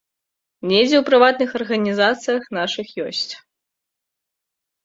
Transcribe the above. Недзе ў прыватных арганізацыях нашых ёсць.